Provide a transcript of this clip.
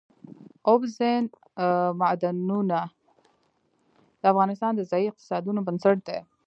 اوبزین معدنونه د افغانستان د ځایي اقتصادونو بنسټ دی.